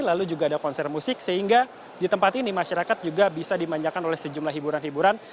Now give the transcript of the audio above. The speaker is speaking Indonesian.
lalu juga ada konser musik sehingga di tempat ini masyarakat juga bisa dimanjakan oleh sejumlah hiburan hiburan